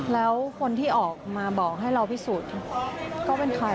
แล้วคนที่ออกมาบอกให้เราพิสูจน์ก็เป็นใคร